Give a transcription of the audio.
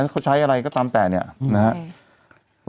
เขาใช้อะไรก็ตามแต่เนี่ยนะครับ